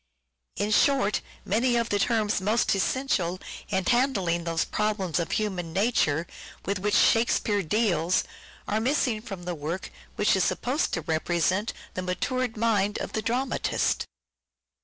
In short, many of the terms most essential in handling those problems of human nature with which " Shakespeare " deals, are missing from the work which is supposed to represent the matured mind of the dramatist.